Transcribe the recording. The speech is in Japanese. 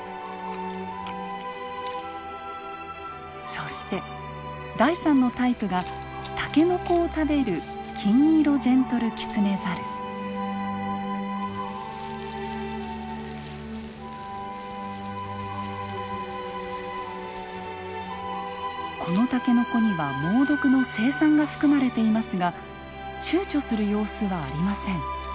そして第３のタイプが竹の子を食べるこの竹の子には猛毒の青酸が含まれていますがちゅうちょする様子はありません。